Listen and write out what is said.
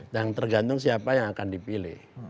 dan tergantung siapa yang akan dipilih